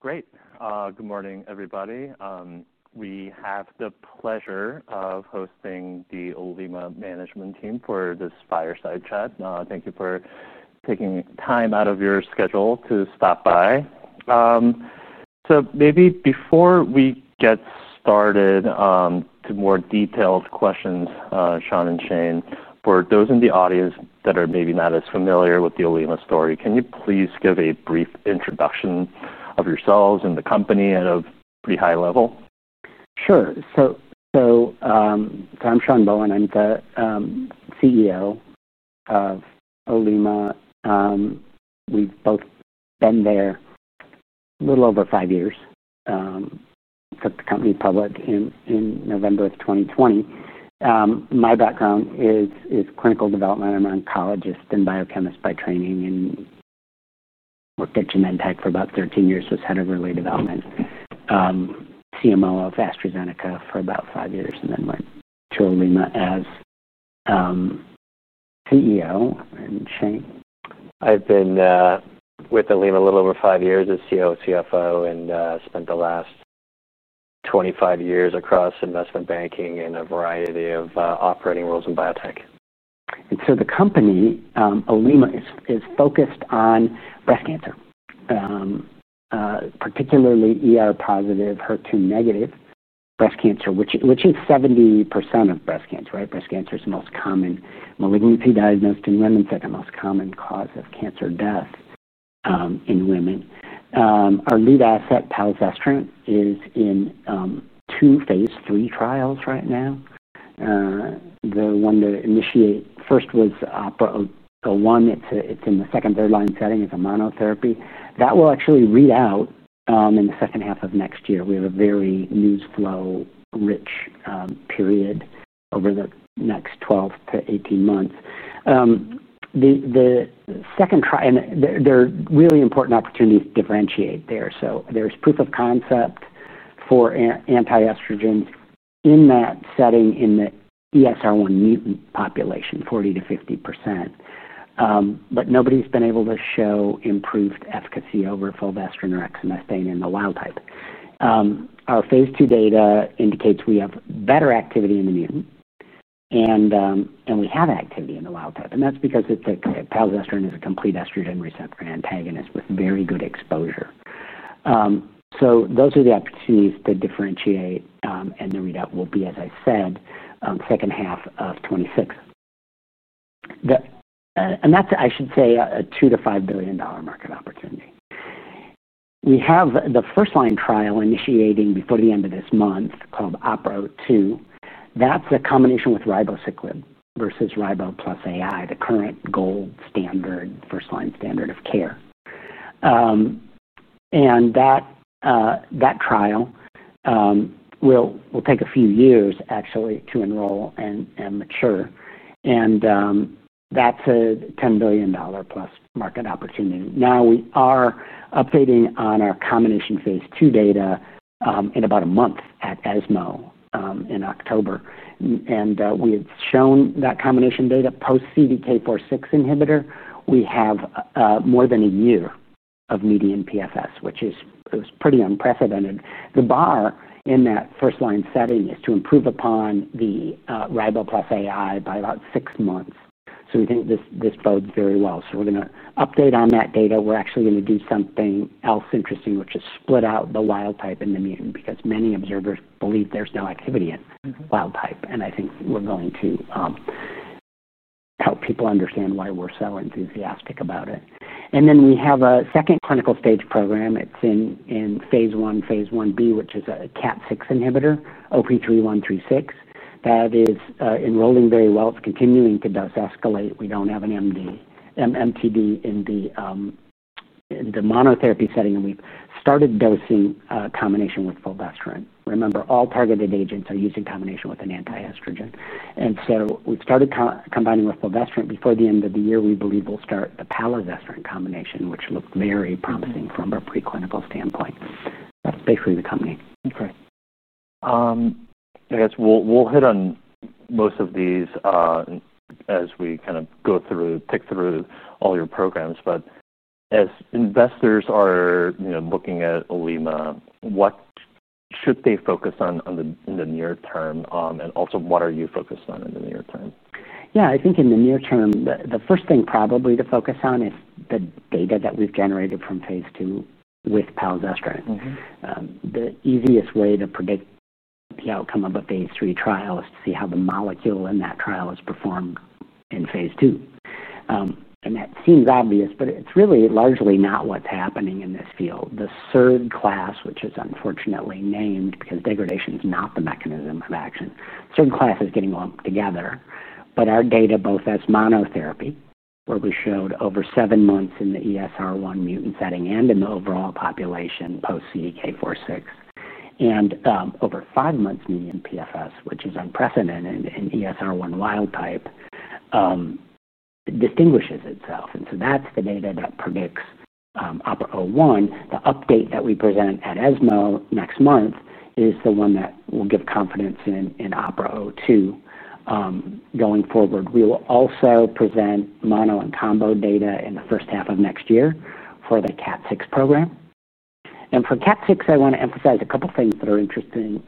Great. Good morning, everybody. We have the pleasure of hosting the Olema management team for this fireside chat. Thank you for taking time out of your schedule to stop by. Maybe before we get started, to more detailed questions, Sean and Shane, for those in the audience that are maybe not as familiar with the Olema story, can you please give a brief introduction of yourselves and the company at a pretty high level? Sure. I'm Sean Bohen, I'm the CEO of Olema. We've both been there a little over five years. Took the company public in November of 2020. My background is clinical development. I'm an oncologist and biochemist by training and worked at Genentech for about 13 years, was head of early development. CMO of AstraZeneca for about five years, and then went to Olema as CEO. I've been with Olema a little over five years as COO and CFO and spent the last 25 years across investment banking and a variety of operating roles in biotech. The company, Olema, is focused on breast cancer, particularly ER-positive, HER2-negative breast cancer, which is 70% of breast cancer, right? Breast cancer is the most common malignancy diagnosed in women, but the most common cause of cancer death in women. Our lead asset, palazestrant, is in two phase II trials right now. The one to initiate first was OPERA-01. It's in the second, third line setting. It's a monotherapy. That will actually read out in the second half of next year. We have a very news flow-rich period over the next 12 to 18 months. The second trial, and there are really important opportunities to differentiate there. There is proof of concept for anti-estrogen in that setting in the ESR1 mutant population, 40%-50%. Nobody's been able to show improved efficacy over fulvestrant or exemestane in the wild-type. Our phase II data indicates we have better activity in the mutant, and we have activity in the wild-type. That's because palazestrant is a complete estrogen receptor antagonist with very good exposure. Those are the opportunities to differentiate, and the readout will be, as I said, second half of 2026. That's, I should say, a $2 billion-$5 billion market opportunity. We have the first-line trial initiating before the end of this month called OPERA-02. That's a combination with ribociclib versus ribociclib plus AI, the current gold standard first-line standard of care. That trial will take a few years to enroll and mature. That's a $10 billion plus market opportunity. We are updating on our combination phase II data in about a month at ESMO, in October. We had shown that combination data post CDK4/6 inhibitor, we have more than a year of median PFS, which is pretty unprecedented. The bar in that first-line setting is to improve upon the ribociclib plus AI by about six months. We think this bodes very well. We are going to update on that data. We are actually going to do something else interesting, which is split out the wild-type and the mutant because many observers believe there's no activity in wild-type. I think we are going to help people understand why we're so enthusiastic about it. We have a second clinical stage program. It's in phase I, phase Ib, which is a KAT6 inhibitor, OP-3136. That is enrolling very well. It's continuing to dose escalate. We don't have an MTD in the monotherapy setting, and we've started dosing a combination with fulvestrant. Remember, all targeted agents are using combination with an anti-estrogen. We've started combining with fulvestrant. Before the end of the year, we believe we'll start the palazestrant combination, which looked very promising from a preclinical standpoint. That's basically the company. Okay. I guess we'll hit on most of these as we kind of go through, pick through all your programs. As investors are, you know, looking at Olema, what should they focus on in the near term, and also what are you focused on in the near term? Yeah, I think in the near term, the first thing probably to focus on is the data that we've generated from phase II with palazestrant. The easiest way to predict the outcome of a phase III trial is to see how the molecule in that trial has performed in phase II. That seems obvious, but it's really largely not what's happening in this field. The SERD class, which is unfortunately named because degradation is not the mechanism of action, SERD class is getting all together. Our data, both as monotherapy, where we showed over seven months in the ESR1 mutant setting and in the overall population post CDK4/6, and over five months median PFS, which is unprecedented in ESR1 wild type, distinguishes itself. That's the data that predicts O-01. The update that we present at ESMO next month is the one that will give confidence in OPERA-02 going forward. We will also present mono and combo data in the first half of next year for the KAT6 program. For KAT6, I want to emphasize a couple of things that are interesting.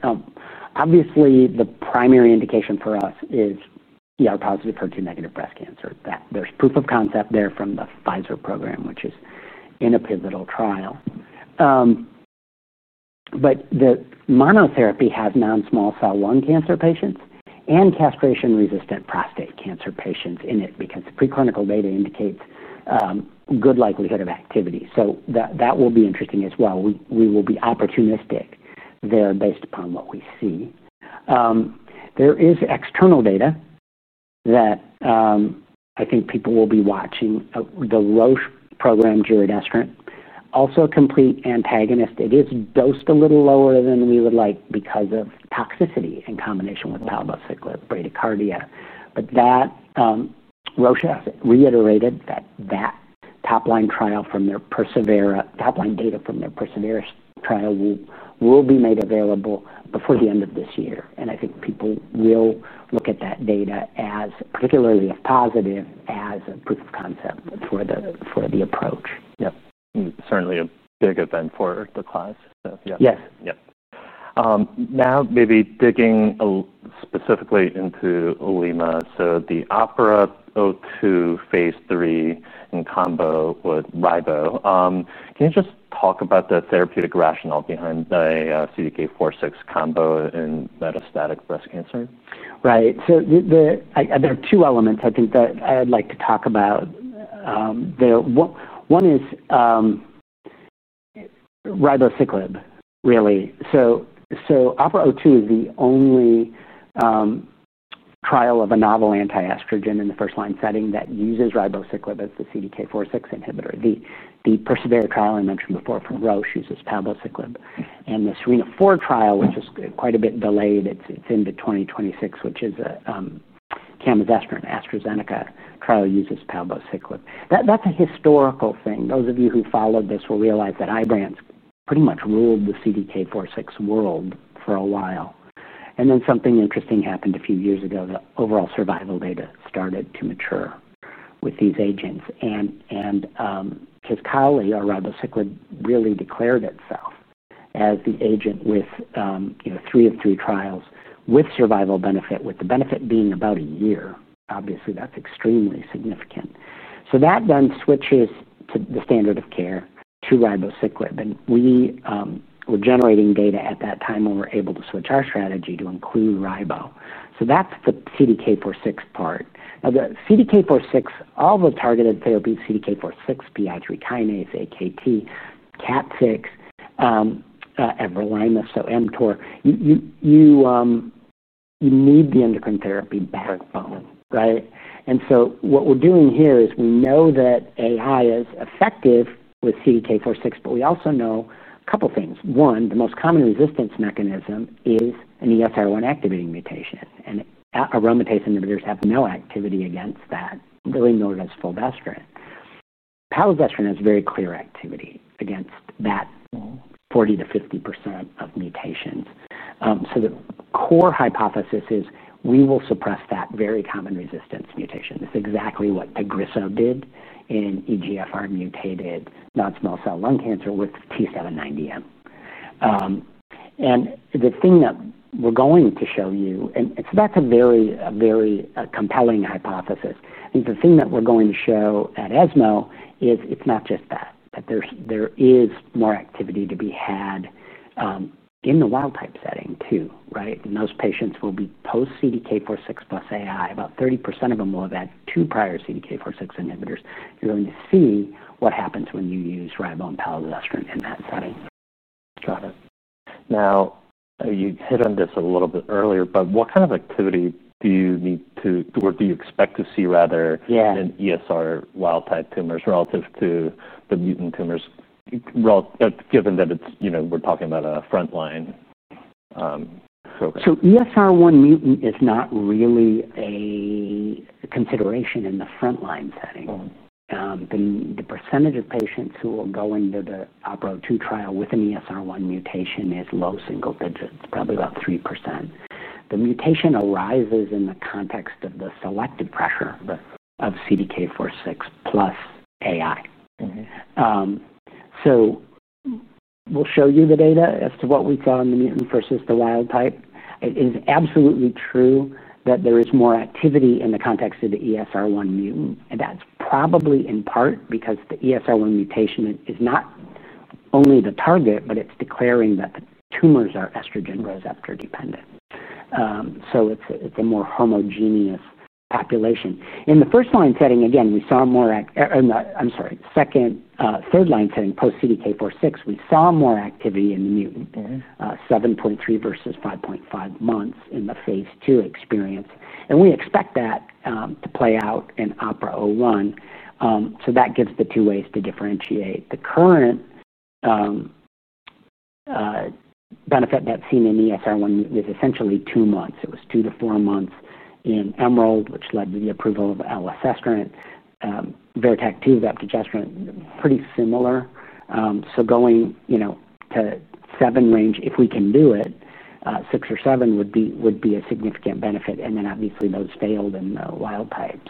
Obviously, the primary indication for us is ER-positive, HER2-negative breast cancer. There's proof of concept there from the Pfizer program, which is in a pivotal trial. The monotherapy has non-small cell lung cancer patients and castration-resistant prostate cancer patients in it because the preclinical data indicates good likelihood of activity. That will be interesting as well. We will be opportunistic there based upon what we see. There is external data that I think people will be watching. The Roche program, giredestrant, also a complete antagonist. It is dosed a little lower than we would like because of toxicity in combination with palbociclib, bradycardia. Roche has reiterated that top line data from their persevERA trial will be made available before the end of this year. I think people will look at that data as particularly positive as a proof of concept for the approach. Yeah, certainly a big event for the cause. Yes. Yeah. Now maybe digging specifically into Olema. The OPERA-02 phase III in combo with ribociclib, can you just talk about the therapeutic rationale behind a CDK4/6 combo in metastatic breast cancer? Right. There are two elements I think that I'd like to talk about. The one is ribociclib, really. OPERA-02 is the only trial of a novel anti-estrogen in the first-line setting that uses ribociclib as the CDK4/6 inhibitor. The persevERA trial I mentioned before from Roche uses palbociclib. The SERENA-4 trial, which is quite a bit delayed, it's into 2026, which is a camizestrant AstraZeneca trial, uses palbociclib. That's a historical thing. Those of you who followed this will realize that IBRANCE pretty much ruled the CDK4/6 world for a while. Something interesting happened a few years ago. The overall survival data started to mature with these agents. Just kindly, ribociclib really declared itself as the agent with, you know, three of three trials with survival benefit, with the benefit being about a year. Obviously, that's extremely significant. That then switches the standard of care to ribociclib. We were generating data at that time when we were able to switch our strategy to include ribo. That's the CDK4/6 part. Now the CDK4/6, all the targeted therapies, CDK4/6, PI3 kinase, AKT, KAT6, everolimus, so mTOR, you need the endocrine therapy backbone, right? What we're doing here is we know that AI is effective with CDK4/6, but we also know a couple of things. One, the most common resistance mechanism is an ESR1 activating mutation. Aromatase inhibitors have no activity against that, really noted as fulvestrant. Palbociclib has very clear activity against that, 40%-50% of mutations. The core hypothesis is we will suppress that very common resistance mutation. It's exactly what TAGRISSO did in EGFR-mutated non-small cell lung cancer with T790M. The thing that we're going to show you, and so that's a very compelling hypothesis. I think the thing that we're going to show at ESMO is it's not just that, that there is more activity to be had in the wild-type setting too, right? Those patients will be post CDK4/6 plus AI. About 30% of them will have had two prior CDK4/6 inhibitors. You're going to see what happens when you use ribociclib and palbociclib in that setting. Got it. Now, you hit on this a little bit earlier, but what kind of activity do you need to, or do you expect to see, rather, in ESR1 wild-type tumors relative to the mutant tumors, given that it's, you know, we're talking about a frontline? ESR1 mutant is not really a consideration in the frontline setting. The percentage of patients who will go into the OPERA-02 trial with an ESR1 mutation is low single digits. It's probably about 3%. The mutation arises in the context of the selective pressure of CDK4/6 plus AI. We'll show you the data as to what we saw in the mutant versus the wild type. It is absolutely true that there is more activity in the context of the ESR1 mutant. That's probably in part because the ESR1 mutation is not only the target, but it's declaring that the tumors are estrogen receptor dependent. It's a more homogeneous population. In the first line setting, again, we saw more at, or I'm sorry, second, third line setting post CDK4/6, we saw more activity in the mutant, 7.3 versus 5.5 months in the phase II experience. We expect that to play out in OPERA-01. That gives the two ways to differentiate. The current benefit that's seen in ESR1 mutant is essentially two months. It was two to four months in EMERALD, which led to the approval of Imlunestrant, VERITAC-2, Vepdegestrant, pretty similar. Going to seven range, if we can do it, six or seven would be a significant benefit. Obviously those failed in the wild type.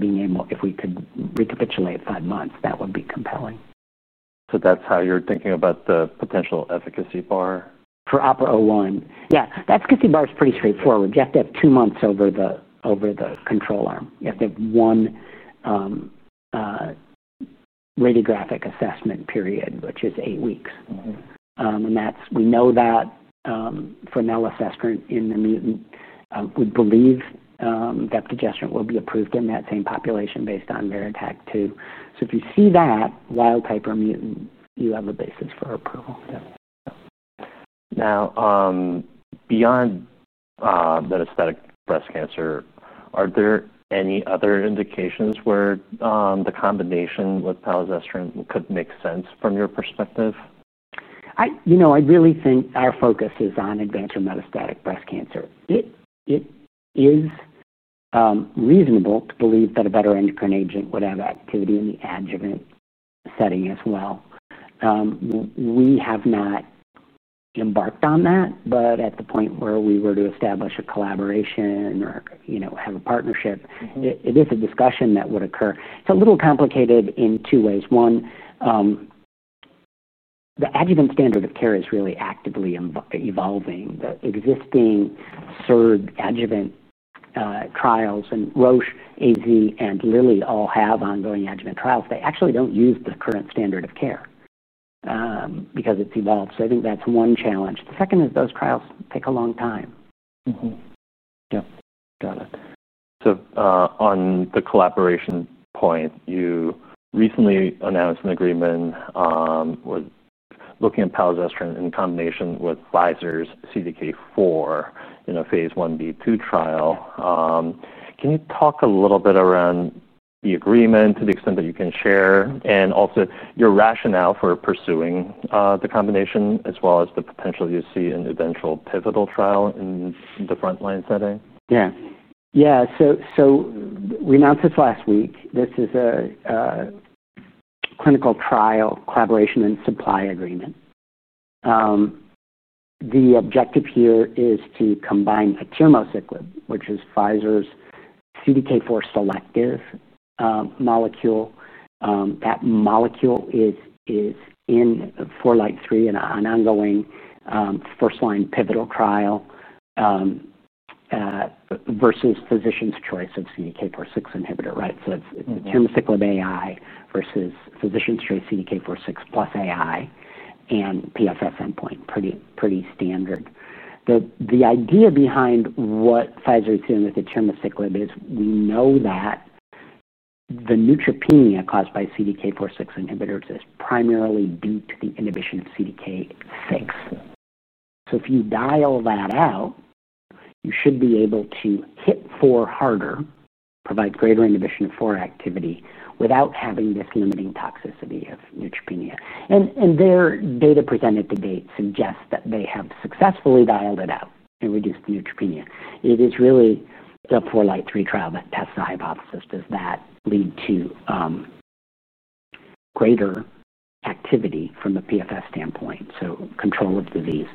Being able, if we could recapitulate five months, that would be compelling. That is how you're thinking about the potential efficacy bar? For OPERA-01, yeah, the efficacy bar is pretty straightforward. You have to have two months over the control arm. You have to have one radiographic assessment period, which is eight weeks. That's, we know that for palazestrant in the mutant, we believe vepdegestrant will be approved in that same population based on VERITAC-2. If you see that wild-type or mutant, you have a basis for approval. Yeah. Now, beyond metastatic breast cancer, are there any other indications where the combination with palazestrant could make sense from your perspective? I really think our focus is on advanced metastatic breast cancer. It is reasonable to believe that a better endocrine agent would have activity in the adjuvant setting as well. We have not embarked on that, but at the point where we were to establish a collaboration or have a partnership, it is a discussion that would occur. It's a little complicated in two ways. One, the adjuvant standard of care is really actively evolving. The existing adjuvant trials and Roche, AZ, and Lilly all have ongoing adjuvant trials. They actually don't use the current standard of care, because it's evolved. I think that's one challenge. The second is those trials take a long time. Yes. Got it. On the collaboration point, you recently announced an agreement, with looking at palazestrant in combination with Pfizer's CDK4, in a phase Ib/II trial. Can you talk a little bit around the agreement to the extent that you can share and also your rationale for pursuing the combination as well as the potential you see in eventual pivotal trial in the frontline setting? Yeah. Yeah. We announced this last week. This is a clinical trial collaboration and supply agreement. The objective here is to combine palbociclib, which is Pfizer's CDK4/6 selective molecule That molecule is in the FALCON-3 trial, an ongoing first-line pivotal trial versus physician's choice of CDK4/6 inhibitor, right? So it's [ibrance (palbociclib) plus] AI versus physician's choice CDK4/6 plus AI and PFS endpoint. Pretty standard. The idea behind what Pfizer is doing with palbociclib is we know that the neutropenia caused by CDK4/6 inhibitors is primarily due to the inhibition of CDK6. If you dial that out, you should be able to hit 4 harder, provide greater inhibition of CDK4 activity without having this limiting toxicity of neutropenia. Their data presented to date suggests that they have successfully dialed it out and reduced the neutropenia. It is really a FALCON-3 trial that tests the hypothesis. Does that lead to greater activity from the PFS standpoint? So control of disease.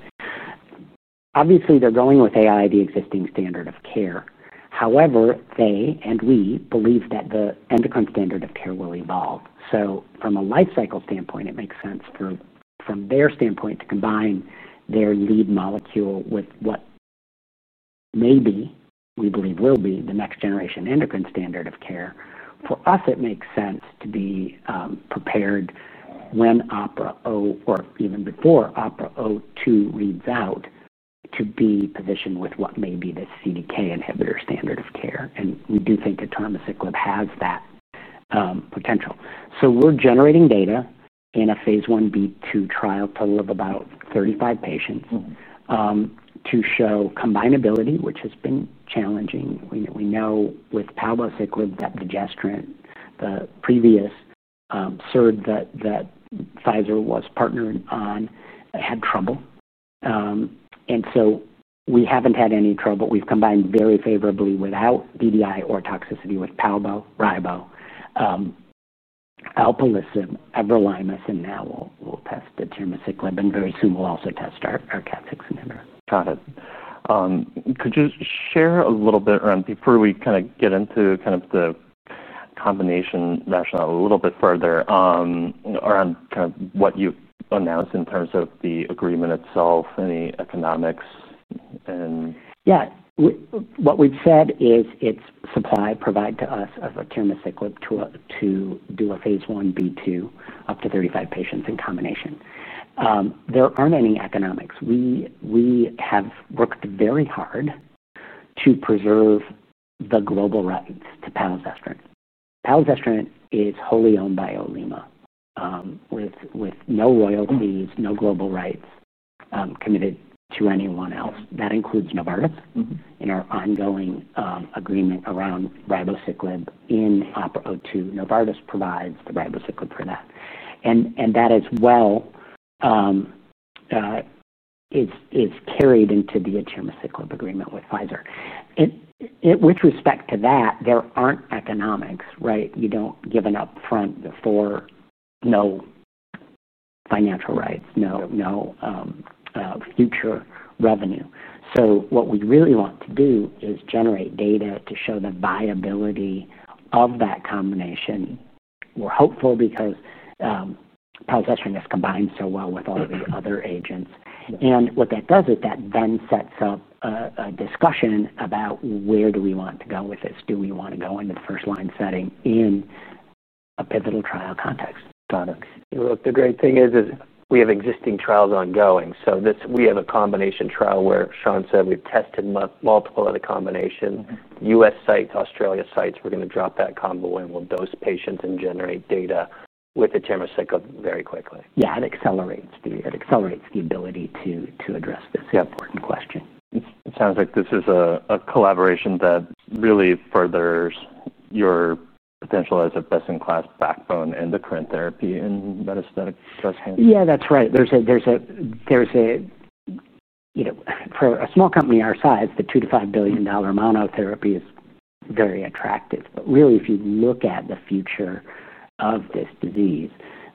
Obviously, they're going with AI, the existing standard of care. However, they and we believe that the endocrine standard of care will evolve. From a lifecycle standpoint, it makes sense from their standpoint to combine their lead molecule with what may be, we believe will be, the next generation endocrine standard of care. For us, it makes sense to be prepared when OPERA-01 or even before OPERA-02 reads out to be positioned with what may be the CDK inhibitor standard of care. We do think palbociclib has that potential. We're generating data in a phase Ib/II trial, a total of about 35 patients, to show combinability, which has been challenging. We know with palbociclib, vepdegestrant, the previous SERD that Pfizer was partnering on had trouble. We haven't had any trouble. We've combined very favorably without DDI or toxicity with palbo, ribo, alpelisib, everolimus, and now we'll test [palbociclib], and very soon we'll also test our KAT6 inhibitor. Could you share a little bit around, before we get into the combination rationale a little bit further, around what you announced in terms of the agreement itself, any economics? Yeah. What we've said is it's supply provided to us of palbociclib to do a phase Ib/II up to 35 patients in combination. There aren't any economics. We have worked very hard to preserve the global rights to palazestrant. Palazestrant is wholly owned by Olema, with no royalties, no global rights committed to anyone else. That includes Novartis in our ongoing agreement around ribociclib in OPERA-02. Novartis provides the ribociclib for that. That as well is carried into the IBRANCE agreement with Pfizer. With respect to that, there aren't economics, right? You don't give an upfront, no financial rights, no future revenue. What we really want to do is generate data to show the viability of that combination. We're hopeful because palazestrant is combined so well with all of the other agents. What that does is that then sets up a discussion about where do we want to go with this? Do we want to go into the first-line setting in a pivotal trial context? Got it. The great thing is we have existing trials ongoing. We have a combination trial where Sean said we've tested multiple of the combination, U.S. sites, Australia sites. We're going to drop that convoy, and we'll dose patients and generate data with [ibrance] very quickly. Yeah, that accelerates the ability to address this important question. It sounds like this is a collaboration that really furthers your potential as a best-in-class backbone endocrine therapy in metastatic breast cancer. Yeah, that's right. For a small company our size, the $2 billion-$5 billion monotherapy is very attractive. If you look at the future of this disease,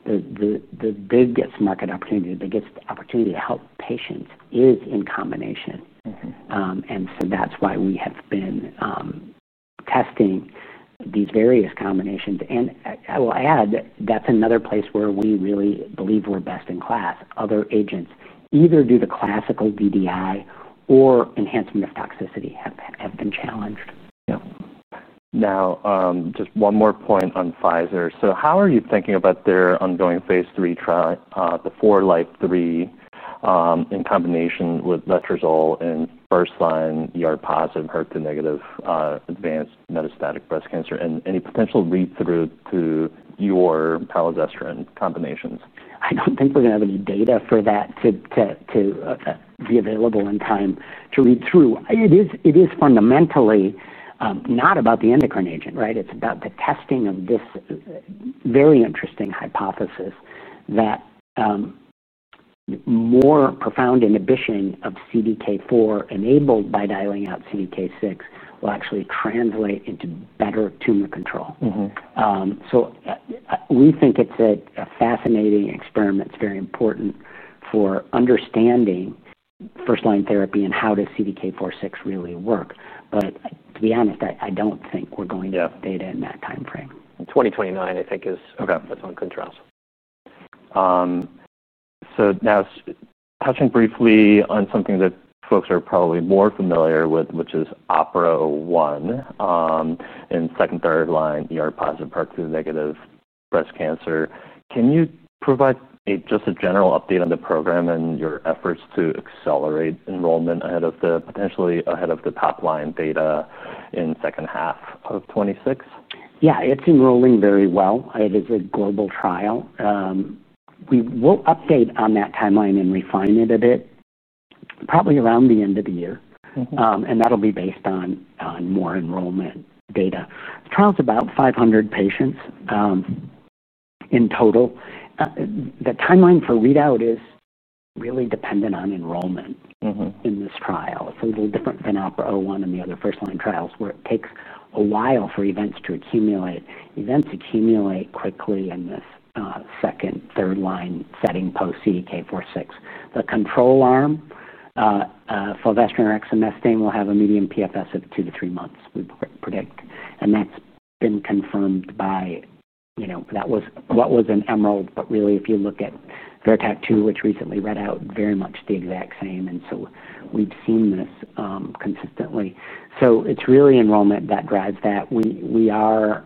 the biggest market opportunity, the biggest opportunity to help patients is in combination. That's why we have been testing these various combinations. I will add, that's another place where we really believe we're best in class. Other agents either do the classical DDI or enhancement of toxicity have been challenged. Yeah. Now, just one more point on Pfizer. How are you thinking about their ongoing phase III trial, the FourLight-3, in combination with letrozole in first-line ER-positive, HER2-negative metastatic breast cancer, and any potential read through to your palazestrant combinations? I don't think we have any data for that to be available in time to read through. It is fundamentally not about the endocrine agent, right? It's about the testing of this very interesting hypothesis that more profound inhibition of CDK4 enabled by dialing out CDK6 will actually translate into better tumor control. We think it's a fascinating experiment. It's very important for understanding first-line therapy and how does CDK4/6 really work. To be honest, I don't think we're going to have data in that timeframe. 2029, I think is, okay, that's on contrast. Now touching briefly on something that folks are probably more familiar with, which is OPERA-01 in second, third line ER-positive, HER2-negative breast cancer. Can you provide just a general update on the program and your efforts to accelerate enrollment ahead of the potentially ahead of the top line data in H2 2026? Yeah, it's enrolling very well. It is a global trial. We will update on that timeline and refine it a bit, probably around the end of the year, and that'll be based on more enrollment data. The trial is about 500 patients in total. The timeline for readout is really dependent on enrollment in this trial. It's a little different than OPERA-01 and the other first-line trials where it takes a while for events to accumulate. Events accumulate quickly in this second, third-line setting post CDK4/6. The control arm, fulvestrant or exemestane, will have a median PFS of two to three months, we predict. That's been confirmed by, you know, that was what was in EMERALD, but really, if you look at VERITAC-2, which recently read out, very much the exact same. We've seen this consistently. It's really enrollment that drives that. We are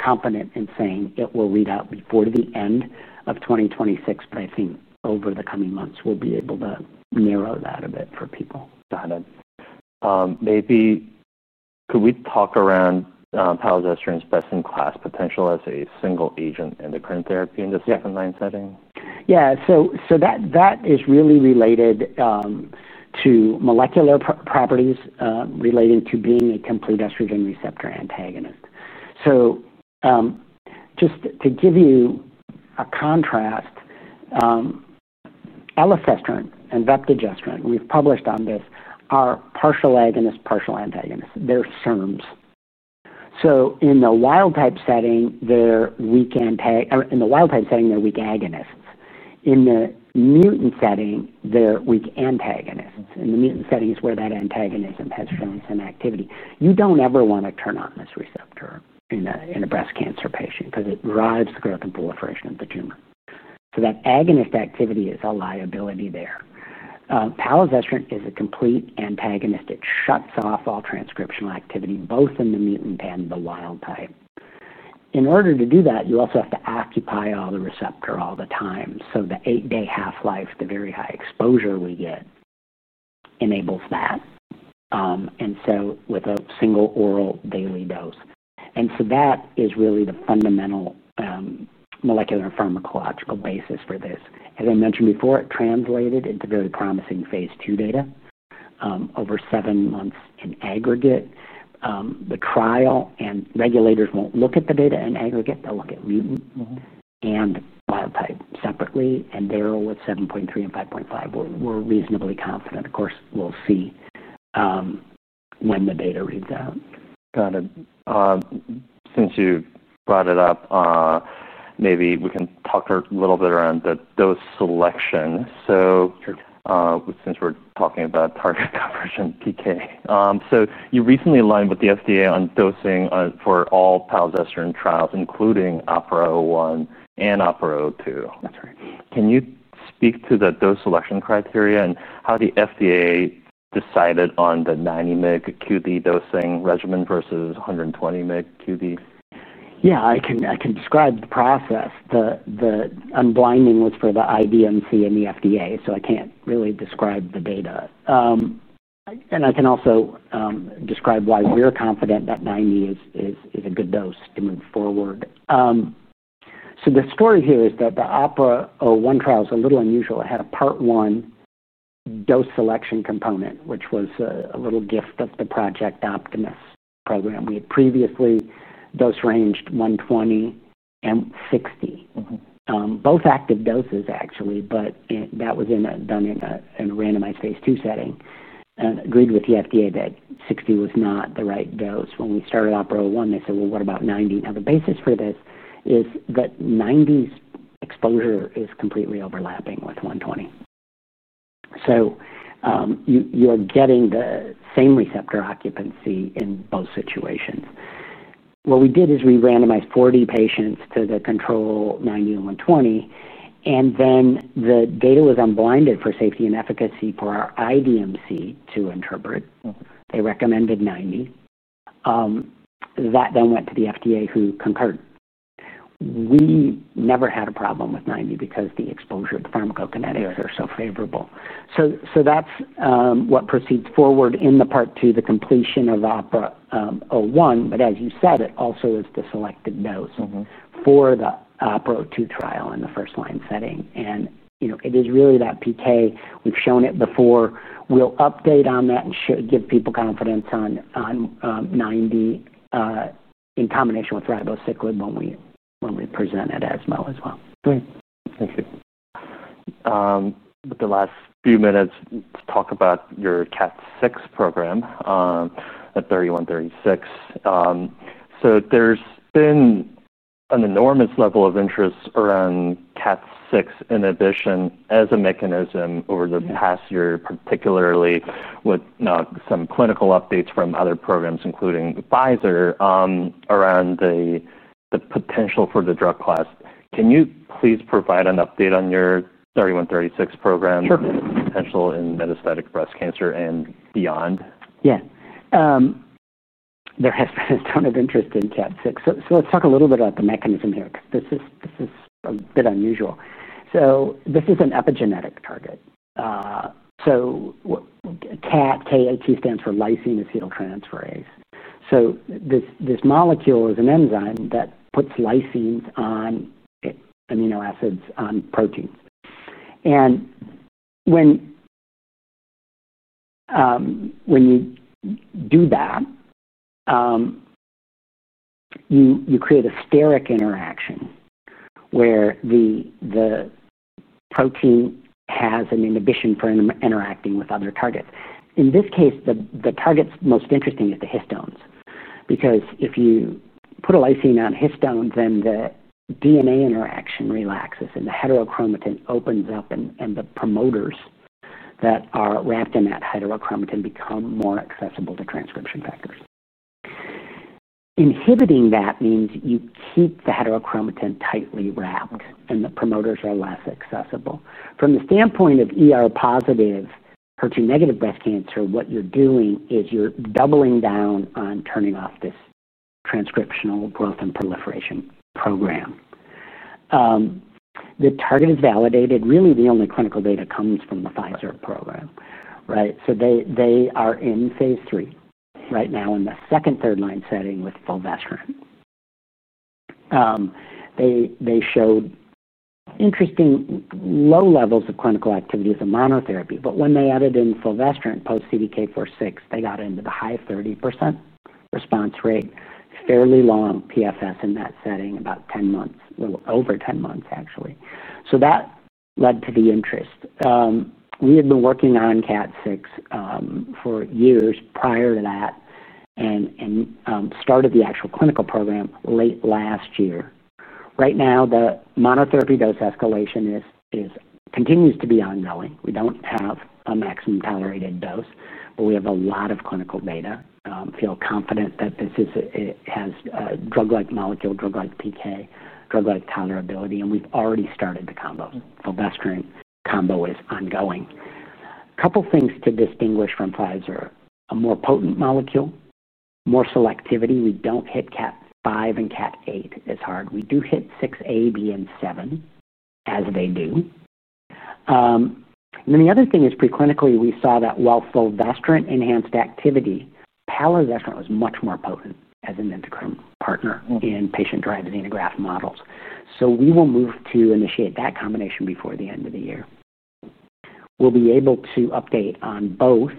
confident in saying it will read out before the end of 2026, but I think over the coming months, we'll be able to narrow that a bit for people. Got it. Maybe could we talk around palazestrant's best-in-class potential as a single-agent endocrine therapy in the second-line setting? Yeah, that is really related to molecular properties, related to being a complete estrogen receptor antagonist. Just to give you a contrast, elastastin and vaptogestrin, we've published on this, are partial agonists, partial antagonists. They're SERMs. In the wild-type setting, they're weak antagonists. In the wild-type setting, they're weak agonists. In the mutant setting, they're weak antagonists. In the mutant setting is where that antagonism, estrogen-activity, you don't ever want to turn on this receptor in a breast cancer patient because it drives the growth and proliferation of the tumor. That agonist activity is a liability there. Palazestrant is a complete antagonist. It shuts off all transcriptional activity, both in the mutant and the wild-type. In order to do that, you also have to occupy all the receptor all the time. The eight-day half-life, the very high exposure we get enables that, and so with a single oral daily dose. That is really the fundamental, molecular and pharmacological basis for this. As I mentioned before, it translated into very promising phase II data, over seven months in aggregate. The trial and regulators won't look at the data in aggregate. They'll look at mutant and wild-type separately. They're all with 7.3 and 5.5. We're reasonably confident. Of course, we'll see when the data reads out. Got it. Since you brought it up, maybe we can talk a little bit around the dose selection. Since we're talking about targeted coverage and PK, you recently aligned with the FDA on dosing for all palazestrant trials, including OPERA-01 and OPERA-02. That's right. Can you speak to the dose selection criteria and how the FDA decided on the 90 mg daily dosing regimen versus 120 mg daily? Yeah, I can describe the process. The unblinding was for the IDMC and the FDA. I can't really describe the data. I can also describe why we're confident that 90 is a good dose to move forward. The story here is that the OPERA-01 trial is a little unusual. It had a part one dose selection component, which was a little gift of the Project Optimus program. We had previously dose ranged 120 mg and 60 mg. Both active doses, actually, but that was done in a randomized phase II setting. We agreed with the FDA that 60 mg was not the right dose. When we started OPERA-01, they said, "What about 90 mg?" The basis for this is that 90 mgs exposure is completely overlapping with 120 mg. You are getting the same receptor occupancy in both situations. We randomized 40 patients to the control, 90 mg and 120 mg. The data was unblinded for safety and efficacy for our IDMC to interpret. They recommended 90 mg. That then went to the FDA, who concurred. We never had a problem with 90 mg because the exposure of the pharmacogenetics are so favorable. That's what proceeds forward in the part two, the completion of OPERA-01. As you said, it also is the selected dose for the OPERA-02 trial in the first-line setting. It is really that PK. We've shown it before. We'll update on that and give people confidence on 90 in combination with ribociclib when we present at ESMO as well. Great. Thank you. With the last few minutes, let's talk about your KAT6 program, at OP-3136. There's been an enormous level of interest around KAT6 inhibition as a mechanism over the past year, particularly with some clinical updates from other programs, including Pfizer, around the potential for the drug class. Can you please provide an update on your OP-3136 program? Sure. The potential in metastatic breast cancer and beyond? Yeah, there has been a ton of interest in KAT6. Let's talk a little bit about the mechanism here because this is a bit unusual. This is an epigenetic target. KAT stands for lysine acetyltransferase. This molecule is an enzyme that puts lysine on amino acids on proteins. When you do that, you create a steric interaction where the protein has an inhibition for interacting with other targets. In this case, the targets most interesting is the histones. If you put a lysine on histones, then the DNA interaction relaxes and the heterochromatin opens up and the promoters that are wrapped in that heterochromatin become more accessible to transcription factors. Inhibiting that means you keep the heterochromatin tightly wrapped and the promoters are less accessible. From the standpoint of ER-positive, HER2 negative breast cancer, what you're doing is you're doubling down on turning off this transcriptional growth and proliferation program. The target is validated. Really, the only clinical data comes from the Pfizer program, right? They are in phase III right now in the second, third line setting with fulvestrant. They showed interesting low levels of clinical activity as a monotherapy. When they added in fulvestrant post CDK4/6, they got into the high 30% response rate, fairly long PFS in that setting, about 10 months, a little over 10 months, actually. That led to the interest. We had been working on KAT6 for years prior to that and started the actual clinical program late last year. Right now, the monotherapy dose escalation continues to be ongoing. We don't have a maximum tolerated dose, but we have a lot of clinical data. I feel confident that this is a drug-like molecule, drug-like PK, drug-like tolerability, and we've already started the combo. Fulvestrant combo is ongoing. A couple of things to distinguish from Pfizer: a more potent molecule, more selectivity. We don't hit KAT5 and KAT8 as hard. We do hit 6A, B, and 7 as they do. The other thing is preclinically, we saw that while fulvestrant enhanced activity, palazestrant was much more potent as an endocrine partner in patient-derived xenograft models. We will move to initiate that combination before the end of the year. We'll be able to update on both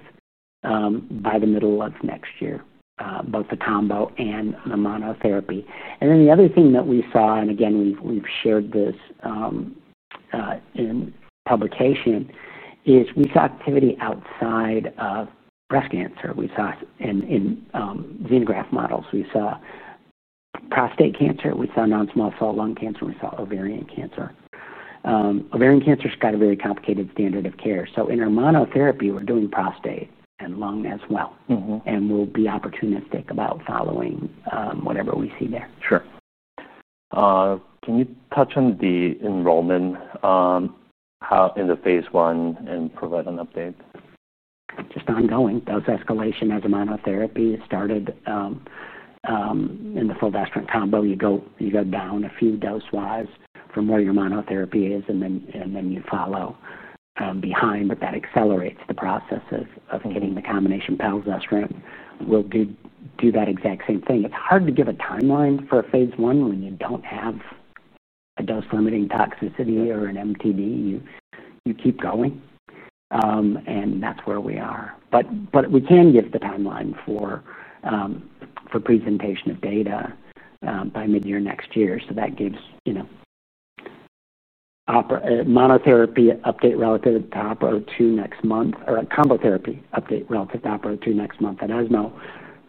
by the middle of next year, both the combo and the monotherapy. The other thing that we saw, and again, we've shared this in publication, is we saw activity outside of breast cancer. We saw in xenograft models, we saw prostate cancer, we saw non-small cell lung cancer, we saw ovarian cancer. Ovarian cancer's got a very complicated standard of care. In our monotherapy, we're doing prostate and lung as well. We'll be opportunistic about following whatever we see there. Sure. Can you touch on the enrollment, how in the phase I and provide an update? Just ongoing dose escalation as a monotherapy. It started in the fulvestrant combo. You go down a few dose-wise from where your monotherapy is, and then you follow behind, but that accelerates the process of hitting the combination palazestrant. We'll do that exact same thing. It's hard to give a timeline for phase I when you don't have a dose-limiting toxicity or an MTD. You keep going, and that's where we are. We can give the timeline for presentation of data by mid-year next year. That gives monotherapy update relative to OPERA-02 next month or a combotherapy update relative to OPERA-02 next month at ESMO.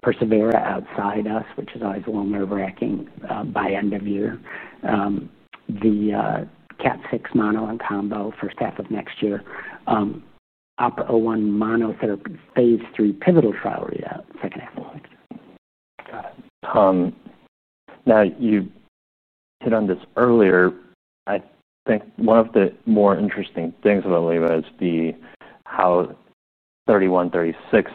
Persevera outside U.S., which is always a little nerve-wracking, by end of year. The KAT6 mono and combo first half of next year. OPERA-01 monotherapy phase III pivotal trial readout second half of next year. Got it. Now, you hit on this earlier. I think one of the more interesting things about Olema is how OP-3136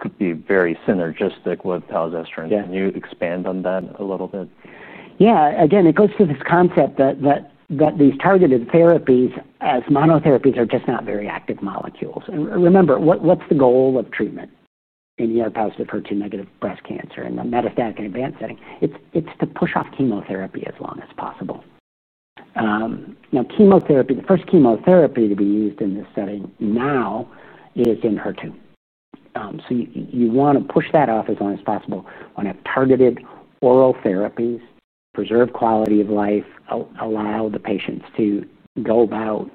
could be very synergistic with palazestrant. Can you expand on that a little bit? Yeah. Again, it goes to this concept that these targeted therapies, as monotherapies, are just not very active molecules. Remember, what's the goal of treatment in ER-positive, HER2-negative breast cancer in the metastatic and advanced setting? It's to push off chemotherapy as long as possible. Now, the first chemotherapy to be used in this setting now, it is in HER2. You want to push that off as long as possible when a targeted oral therapy preserves quality of life, allows the patients to go about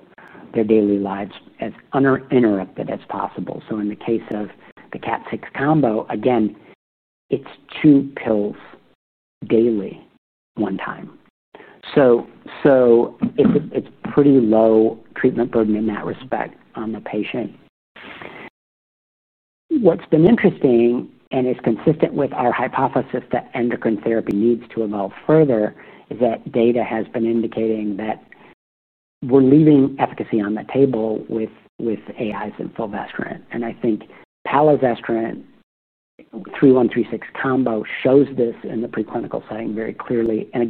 their daily lives as uninterrupted as possible. In the case of the KAT6 combo, it's two pills daily one time. It's a pretty low treatment burden in that respect on the patient. What's been interesting and is consistent with our hypothesis that endocrine therapy needs to evolve further is that data has been indicating that we're leaving efficacy on the table with AIs and fulvestrant. I think palazestrant OP-3136 combo shows this in the preclinical setting very clearly and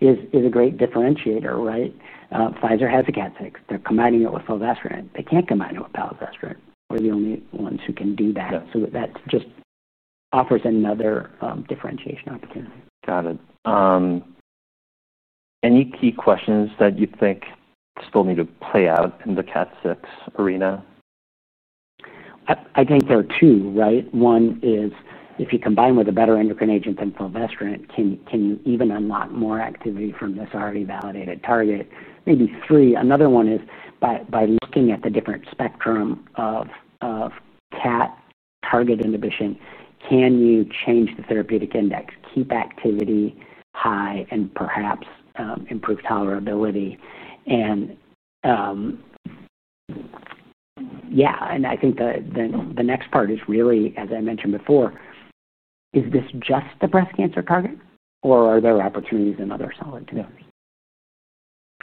is a great differentiator, right? Pfizer has a KAT6 inhibitor. They're combining it with fulvestrant. They can't combine it with palazestrant. We're the only ones who can do that. That just offers another differentiation opportunity. Got it. Any key questions that you think still need to play out in the KAT6 arena? I think there are two, right? One is if you combine with a better endocrine agent than fulvestrant, can you even unlock more activity from this already validated target? Maybe three. Another one is by looking at the different spectrum of KAT target inhibition, can you change the therapeutic index, keep activity high, and perhaps improve tolerability? I think the next part is really, as I mentioned before, is this just the breast cancer target, or are there opportunities in other solid tumors?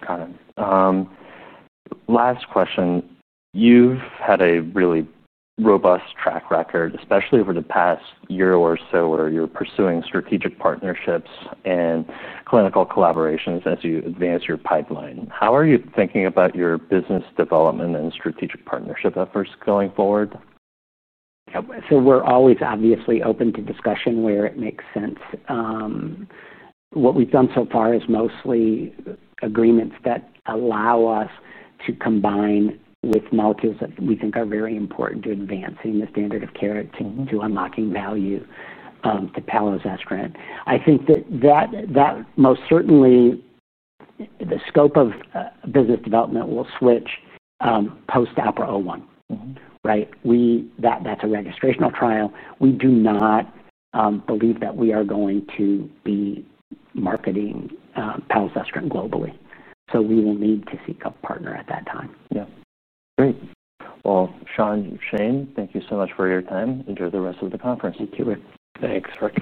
Got it. Last question. You've had a really robust track record, especially over the past year or so where you're pursuing strategic partnerships and clinical collaborations as you advance your pipeline. How are you thinking about your business development and strategic partnership efforts going forward? Yeah. We're always obviously open to discussion where it makes sense. What we've done so far is mostly agreements that allow us to combine with molecules that we think are very important to advancing the standard of care, to unlocking value, to palazestrant. I think that most certainly the scope of business development will switch post OPERA-01, right? That's a registrational trial. We do not believe that we are going to be marketing palazestrant globally. We will need to seek a partner at that time. Great. Sean, Shane, thank you so much for your time. Enjoy the rest of the conference. You too, Rick. Thanks, Rick.